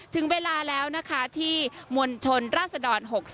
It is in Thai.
ถึงเวลาแล้วนะคะที่มวลชนราศดร๖๓